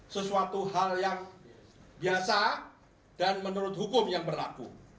sesuatu hal yang biasa dan menurut hukum yang berlaku